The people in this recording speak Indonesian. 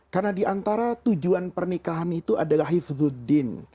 karena diantara tujuan pernikahan itu adalah hifzuddin